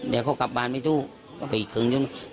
เดี๋ยวก็กลับบ้านไปทู่ก็ไปอีกครึ่งอยู่นี่